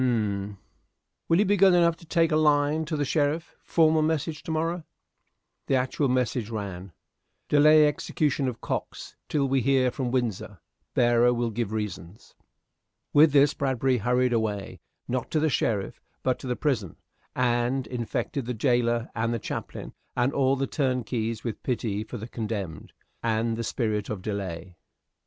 Humph! Will you be good enough to take a line to the sheriff? Formal message to morrow." The actual message ran: "Delay execution of Cox till we hear from Windsor. Bearer will give reasons." With this Bradbury hurried away, not to the sheriff, but to the prison, and infected the jailor and the chaplain and all the turnkeys, with pity for the condemned, and the spirit of delay.